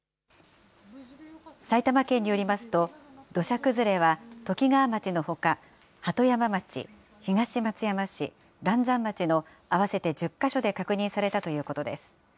埼玉県によりますと、土砂崩れはときがわ町のほか、鳩山町、東松山市、嵐山町の合わせて１０か所で確認されたということです。